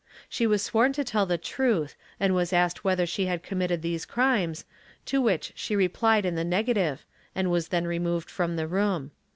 She was sworn to tell the truth and was asked whether she had committed these crimes, to which she replied in the nega tive and was then removed from the room.